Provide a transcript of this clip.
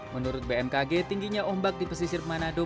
menurut bmkg tingginya ombak di pesisir manado